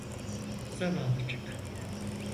Zavallıcık…